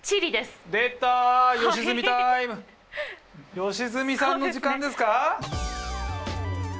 良純さんの時間ですか！？